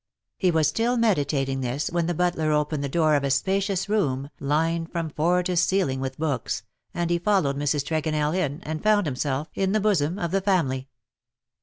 He was still meditating this, when the butler opened the door of a spacious room, lined from floor to ceiling with books, and he followed Mrs. Tregonell in, and found himself in the bosom of the family.